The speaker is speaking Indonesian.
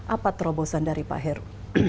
apa terobosan dari pak heru